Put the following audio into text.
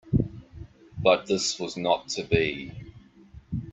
But this was not to be.